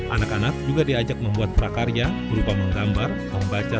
anak anak juga diajak membuat prakarya berupa menggambar membaca